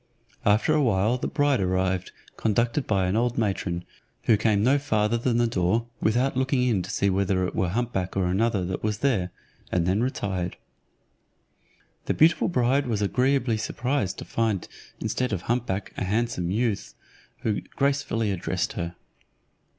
After a while the bride arrived, conducted by an old matron, who came no farther than the door, without looking in to see whether it were hump back or another that was there, and then retired. The beautiful bride was agreeably surprised to find instead of hump back a handsome youth, who gracefully addressed her.